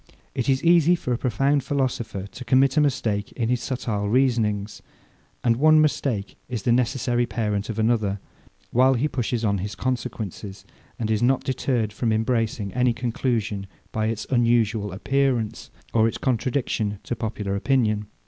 It is easy for a profound philosopher to commit a mistake in his subtile reasonings; and one mistake is the necessary parent of another, while he pushes on his consequences, and is not deterred from embracing any conclusion, by its unusual appearance, or its contradiction to popular opinion.